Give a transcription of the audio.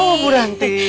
oh ibu ranti